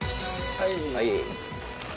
はい。